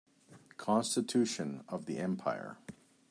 Constitution of the empire.